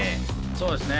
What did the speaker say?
そうですね。